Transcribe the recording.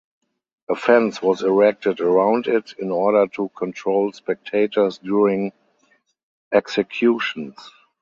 A fence was erected around it in order to control spectators during executions.